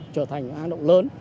trở thành hang động lớn